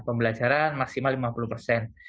pembelajaran maksimal lima puluh persen